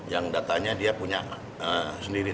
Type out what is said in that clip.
yang datanya dia punya sendiri